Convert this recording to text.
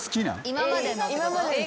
今までの。